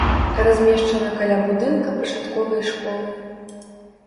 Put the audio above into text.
Размешчана каля будынка пачатковай школы.